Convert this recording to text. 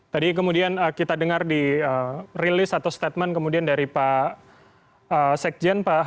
tadi kemudian kita dengar di rilis atau statement kemudian dari pak sekjen pak